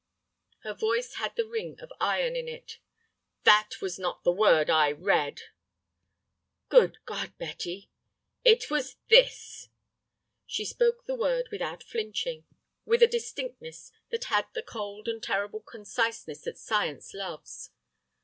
Her voice had the ring of iron in it. "That was not the word I read." "Good God, Betty!" "It was this." She spoke the word without flinching, with a distinctness that had that cold and terrible conciseness that science loves.